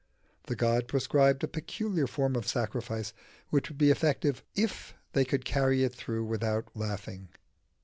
The god prescribed a peculiar form of sacrifice, which would be effective if they could carry it through without laughing.